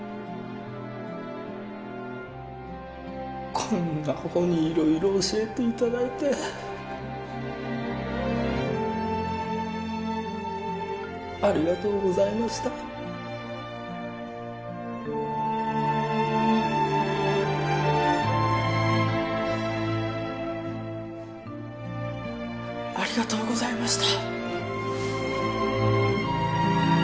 こんなアホに色々教えていただいてありがとうございましたありがとうございました